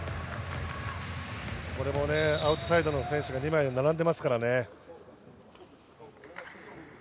アウトサイドの選手が２枚並んでいますからね。